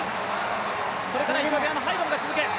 それからエチオピアの選手が続く。